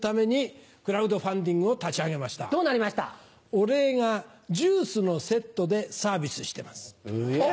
お礼がジュースのセットでサービスしてます。